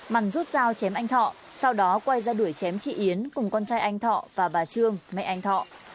mẩn rút dao chém anh thọ sau đó quay ra đuổi chém chị yến cùng con trai anh thọ và bà trương mẹ anh thọ